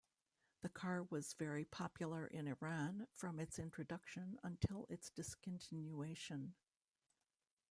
The car was very popular in Iran from its introduction until its discontinuation.